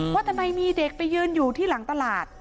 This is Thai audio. ว่าทำไมมีเด็กไปยืนอยู่ที่หลังตลาด